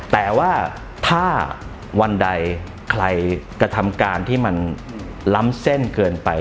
แต่ว่าถ้าวันใดใครกระทำการที่มันล้ำเส้นเกินไป